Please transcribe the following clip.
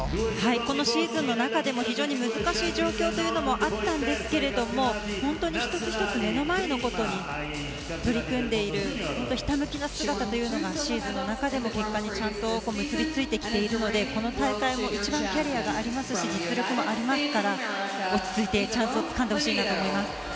このシーズンの中でも非常に難しい状況もあったんですが１つ１つ目の前のことに取り組んでいるひたむきな姿というのがシリーズの中でも結果にちゃんと結びついてきているのでこの大会も一番キャリアがありますし実力がありますから落ち着いてチャンスをつかんでほしいと思います。